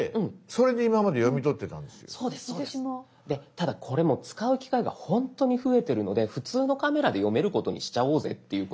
ただこれもう使う機会がほんとに増えてるので普通のカメラで読めることにしちゃおうぜっていうことで。